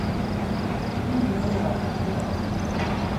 以母老乞养。